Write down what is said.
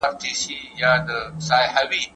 د معلوماتو روښانتیا د لوستونکي په پوهه کي مرسته کوي.